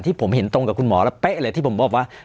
ผมเห็นตรงกับคุณหมอแล้วเป๊ะเลยที่ผมบอกว่า